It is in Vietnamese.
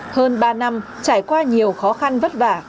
hơn ba năm trải qua nhiều khó khăn vất vả